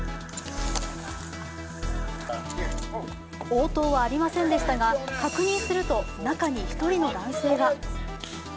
応答はありませんでしたが、確認すると中に１人の男性が。